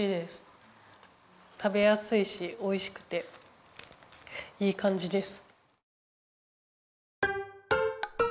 食べやすいしおいしくていいかんじです。